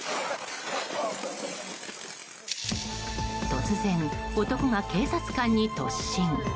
突然、男が警察官に突進。